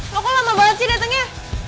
kok lama banget sih datengnya